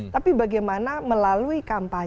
tapi bagaimana melalui kampung